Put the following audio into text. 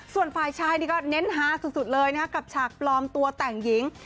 ส่วนฝ่ายชายนี่ก็เน้นฮาสุดเลยนะครับกับฉากปลอมตัวแต่งหญิง